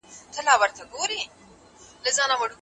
په سرمایه دارۍ کي یوازي پیسې معیار وي.